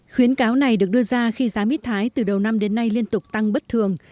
khuyến cáo này được đưa ra khi giá mít thái từ đầu năm đến nay liên tục tăng bất thường